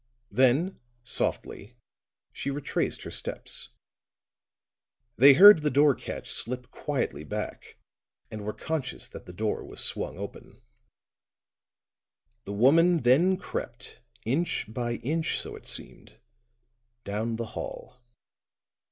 Then softly she retraced her steps; they heard the door catch slip quietly back and were conscious that the door was swung open; the woman then crept inch by inch, so it seemed, down the hall.